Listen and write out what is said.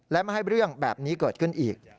และไม่ให้เรื่องแบบนี้เกิดขึ้นอีก